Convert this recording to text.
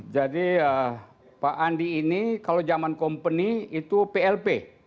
jadi pak andi ini kalau zaman kompeni itu plp